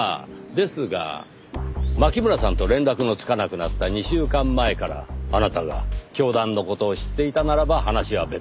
ですが牧村さんと連絡のつかなくなった２週間前からあなたが教団の事を知っていたならば話は別です。